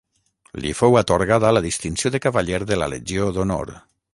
Li fou atorgada la distinció de cavaller de la legió d'honor.